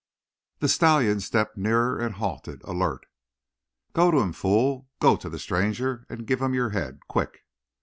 The stallion stepped nearer and halted, alert. "Go to him, fool. Go to the stranger and give him your head. Quick!"